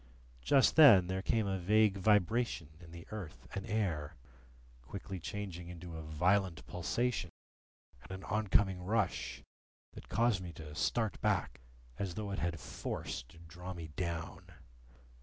Just then there came a vague vibration in the earth and air, quickly changing into a violent pulsation, and an oncoming rush that caused me to start back, as though it had force to draw me down.